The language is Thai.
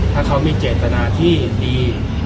ถ้าเขามีเจตนาที่ดี